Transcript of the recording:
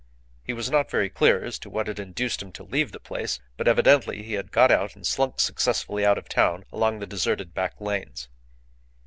He was not very clear as to what had induced him to leave the place, but evidently he had got out and slunk successfully out of town along the deserted back lanes.